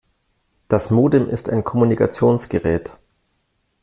Das Modem ist ein Kommunikationsgerät.